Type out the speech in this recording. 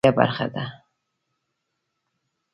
تالابونه د افغانستان د طبیعي زیرمو یوه لویه برخه ده.